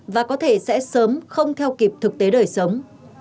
và có thể sẽ sớm không theo kịp thực tế đời sống